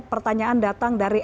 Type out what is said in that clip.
pertanyaan yang terakhir ini